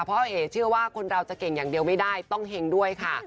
เพราะเอ๋เชื่อว่าคนเราจะเก่งอย่างเดียวไม่ได้ต้องเห็งด้วยค่ะ